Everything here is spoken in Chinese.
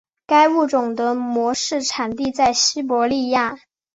该物种的模式产地在西伯利亚。